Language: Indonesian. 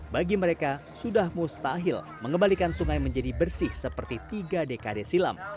bagi mereka sudah mustahil mengembalikan sungai menjadi bersih seperti tiga dekade silam